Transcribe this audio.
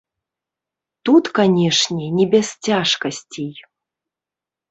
Тут, канешне, не без цяжкасцей.